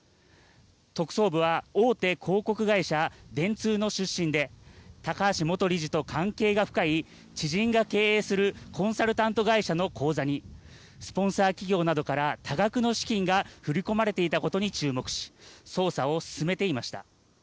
特捜部は大手広告会社、電通の出身で高橋元理事と関係が深い知人が経営するコンサルタント会社の口座にスポンサー企業などから多額の資金が振り込まれていたことに注目し捜査を進めていました。